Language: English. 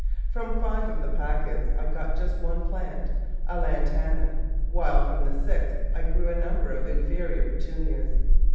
From five of the packages I got just one plant — a Lantana, while from the sixth I grew a num ber of inferior Petunias.